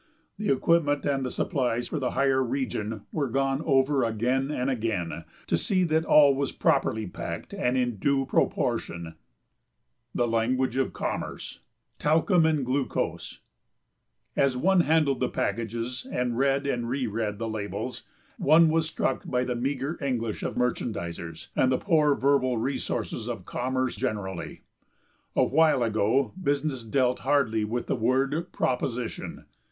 The equipment and the supplies for the higher region were gone over again and again, to see that all was properly packed and in due proportion. [Sidenote: The Language of Commerce] [Sidenote: "Talcum and Glucose"] As one handled the packages and read and reread the labels, one was struck by the meagre English of merchandisers and the poor verbal resources of commerce generally. A while ago business dealt hardly with the word "proposition."